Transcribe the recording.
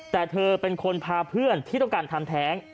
แต่เธอเป็นคนพาเพื่อนที่ต้องการทำแท้ง